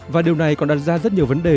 và điều này còn đặt ra rất nhiều vấn đề